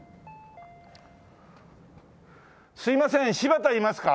すいません柴田いますか？